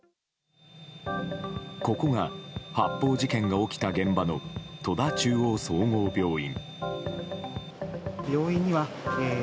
ここが、発砲事件が起きた現場の戸田中央総合病院。